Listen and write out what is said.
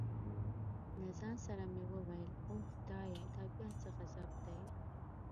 له ځان سره مې وویل اوه خدایه دا بیا څه غضب دی.